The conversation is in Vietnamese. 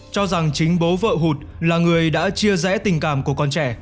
cho rằng chính bố vợ hụt là người đã chia rẽ tình cảm của con trẻ